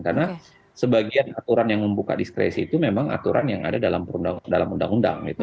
karena sebagian aturan yang membuka diskresi itu memang aturan yang ada dalam undang undang